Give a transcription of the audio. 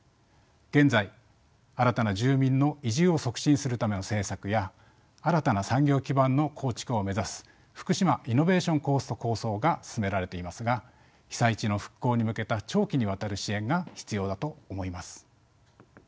現在新たな住民の移住を促進するための政策や新たな産業基盤の構築を目指す福島イノベーション・コースト構想が進められていますが被災地の復興に向けた長期にわたる支援が必要だと思います。